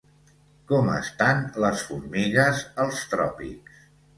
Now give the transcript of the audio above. Com estan les formigues als tròpics?